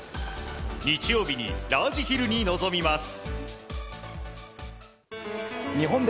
日曜日にラージヒルに臨みます。